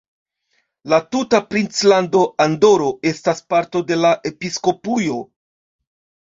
La tuta princlando Andoro estas parto de la episkopujo.